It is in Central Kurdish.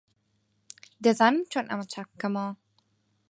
دەزانم چۆن ئەمە چاک بکەمەوە.